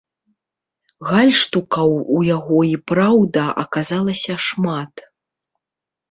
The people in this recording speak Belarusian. Гальштукаў ў яго і праўда аказалася шмат.